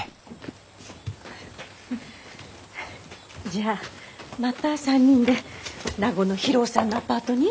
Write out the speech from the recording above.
じゃあまた３人で名護の博夫さんのアパートに？